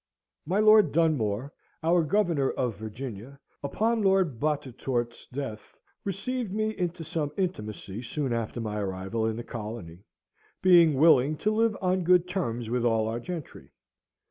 My Lord Dunmore, our Governor of Virginia, upon Lord Bottetourt's death, received me into some intimacy soon after my arrival in the colony, being willing to live on good terms with all our gentry.